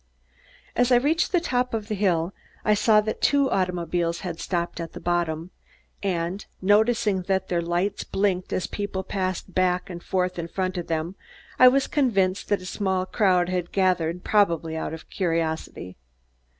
As I reached the top of the hill, I saw that two automobiles had stopped at the bottom, and, noticing that their lights blinked as people passed back and forth in front of them, I was convinced that a small crowd had gathered, probably out of curiosity.